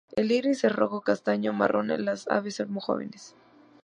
El iris es rojo o castaño, marrón en las aves jóvenes.